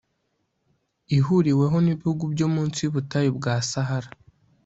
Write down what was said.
ihuriwemo n’ibihugu byo munsi y’ubutayu bwa Sahara